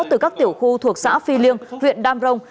từ các tiểu khu thuộc xã phi liêng huyện đam rồng